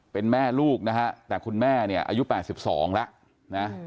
เป็นแม่ลูกนะฮะแต่คุณแม่เนี่ยอายุ๘๒แล้วนะ